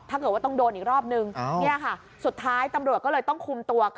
ถ้าเกิดว่าต้องโดนอีกรอบนึงสุดท้ายตำรวจก็เลยต้องคุมตัว